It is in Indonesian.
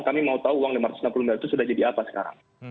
kami mau tahu uang lima ratus enam puluh miliar itu sudah jadi apa sekarang